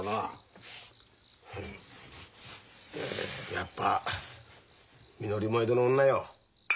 やっぱみのりも江戸の女よ。